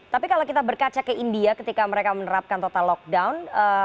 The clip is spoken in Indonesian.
tapi kalau kita berkaca ke india ketika mereka menerapkan total lockdown